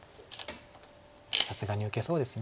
さすがに受けそうです。